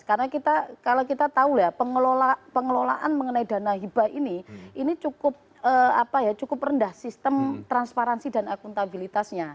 karena kita kalau kita tahu ya pengelolaan mengenai dana ibah ini cukup rendah sistem transparansi dan akuntabilitasnya